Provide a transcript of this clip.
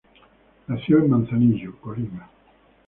Nació en Manzanillo, Colima.